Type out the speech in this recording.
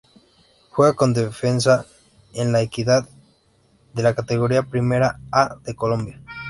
Juega como defensa en La Equidad de la Categoría Primera A de Colombia.